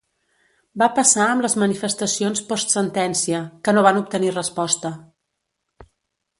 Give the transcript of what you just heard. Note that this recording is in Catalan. Va passar amb les manifestacions post-sentència, que no van obtenir resposta.